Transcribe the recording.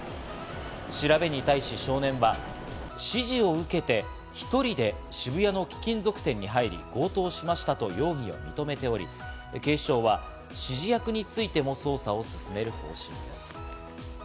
調べに対し少年は、指示を受けて、１人で渋谷の貴金属店に入り、強盗しましたと容疑を認めており、警視庁は指示役についても捜査を進める方針です。